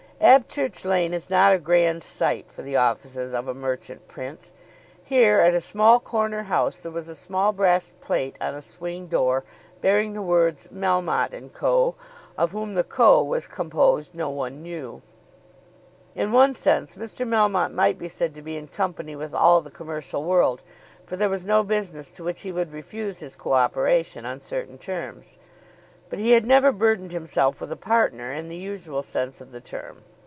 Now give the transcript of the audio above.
Abchurch Lane is not a grand site for the offices of a merchant prince. Here, at a small corner house, there was a small brass plate on a swing door, bearing the words "Melmotte & Co." Of whom the Co. was composed no one knew. In one sense Mr. Melmotte might be said to be in company with all the commercial world, for there was no business to which he would refuse his co operation on certain terms. But he had never burthened himself with a partner in the usual sense of the term.